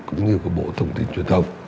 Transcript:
cũng như bộ thông tin truyền thông